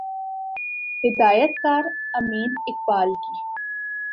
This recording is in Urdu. ہدایت کار امین اقبال کی